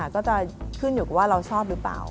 ก็จะขึ้นอยู่กับว่าเราชอบหรือเปล่า